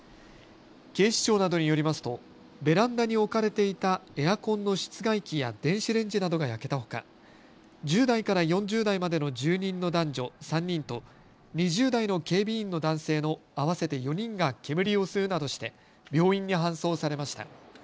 警視庁などによりますとベランダに置かれていたエアコンの室外機や電子レンジなどが焼けたほか１０代から４０代までの住人の男女３人と２０代の警備員の男性の合わせて４人が煙を吸うなどして病院に搬送されました。